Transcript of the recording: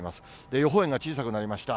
予報円が小さくなりました。